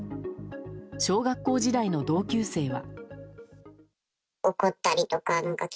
小学校時代の同級生は。